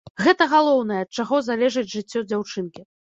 Гэта галоўнае, ад чаго залежыць жыццё дзяўчынкі.